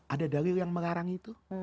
ada dalil yang melarang itu